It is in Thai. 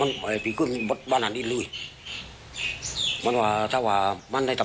พวกมันก็มาทำกันจริงแบบว่าทำรู้นะครับ